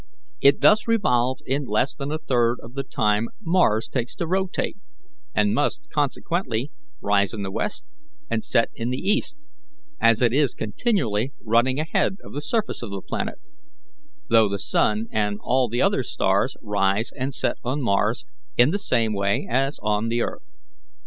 It thus revolves in less than a third of the time Mars takes to rotate, and must consequently rise in the west and set in the east, as it is continually running ahead of the surface of the planet, though the sun and all the other stars rise and set on Mars in the same way as on the earth."